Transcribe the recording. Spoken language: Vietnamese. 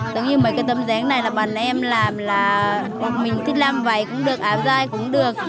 tất nhiên mấy cái tấm dáng này là bọn em làm là mình thích làm váy cũng được áo dai cũng được